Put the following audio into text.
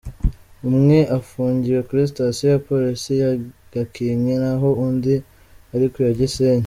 Umwe afungiwe kuri Sitasiyo ya Polisi ya Gakenke naho undi ari ku ya Gisenyi.